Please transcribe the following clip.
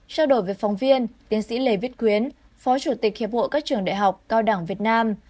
trao đổi với phóng viên tiến sĩ lê viết quyến phó chủ tịch hiệp hội các trường đại học cao đẳng việt nam